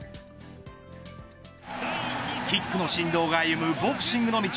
キックの神童が歩むボクシングの道。